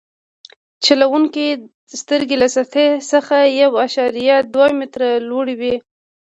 د چلوونکي سترګې له سطحې څخه یو اعشاریه دوه متره لوړې وي